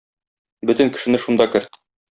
Бөтен кешене шунда керт.